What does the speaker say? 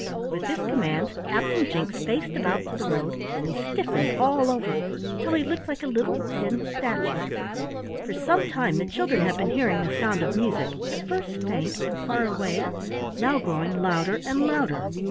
With this command, Captain Jinks faced about to the road, and stiffened all over till he looked like a little tin statue. For some time the children had been hearing the sound of music, at first faint and far away, now growing louder and louder.